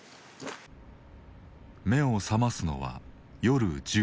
目を覚ますのは夜１０時。